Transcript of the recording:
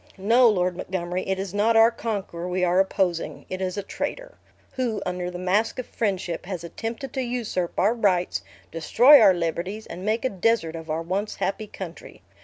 "No, Lord Montgomery, it is not our conqueror we are opposing; it is a traitor, who, under the mask of friendship, has attempted to usurp our rights, destroy our liberties, and make a desert of our once happy country.